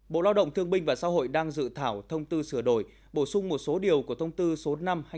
bộ lao động thương binh và xã hội đang dự thảo thông tư sửa đổi bổ sung một số điều của thông tư số năm hai nghìn một mươi ba